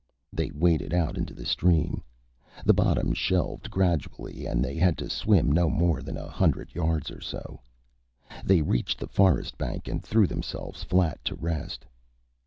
They waded out into the stream. The bottom shelved gradually and they had to swim no more than a hundred yards or so. They reached the forest bank and threw themselves flat to rest.